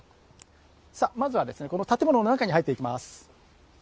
まずは建物の中に入っていきます。